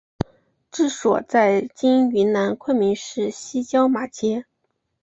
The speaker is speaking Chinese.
治所在今云南昆明市西郊马街。